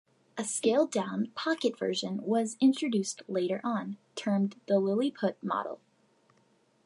A scaled down pocket version was introduced later on, termed the "Lilliput" model.